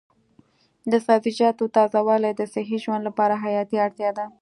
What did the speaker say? د سبزیجاتو تازه والي د صحي ژوند لپاره حیاتي اړتیا ده.